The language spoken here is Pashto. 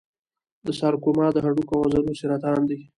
د سارکوما د هډوکو او عضلو سرطان دی.